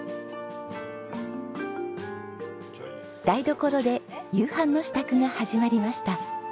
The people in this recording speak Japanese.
台所で夕飯の支度が始まりました。